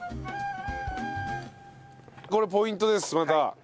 これポイントですまた。